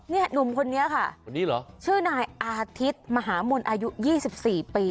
เนี้ยหนุ่มคนนี้ค่ะนี่เหรอชื่อนายอาทิตย์มหาบนอายุยี่สิบสี่ปี